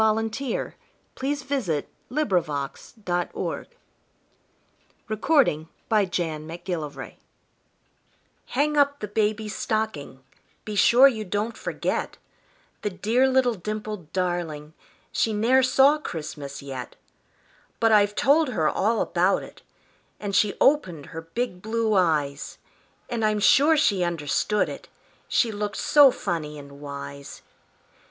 HANG UP THE BABY'S STOCKING [Emily Huntington Miller] Hang up the baby's stocking: Be sure you don't forget; The dear little dimpled darling! She ne'er saw Christmas yet; But I've told her all about it, And she opened her big blue eyes, And I'm sure she understood it She looked so funny and wise.